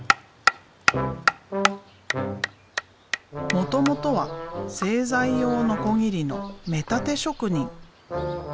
もともとは製材用ノコギリの目立て職人。